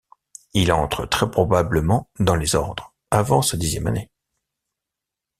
Il entre très probablement dans les ordres, avant sa dixième année.